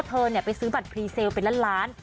พอไปซื้อบัตรพลีเซลเป็นละ๑ล้าน